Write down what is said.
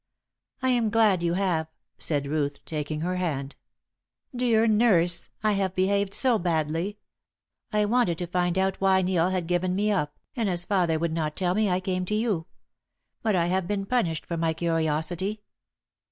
"I am glad you have," said Ruth, taking her hand. "Dear nurse, I have behaved so badly. I wanted to find out why Neil had given me up, and as father would not tell me I came to you. But I have been punished for my curiosity.